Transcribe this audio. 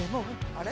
あれ？